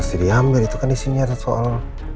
mesti diambil itu kan isinya soal